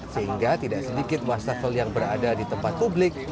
sehingga tidak sedikit wastafel yang berada di tempat publik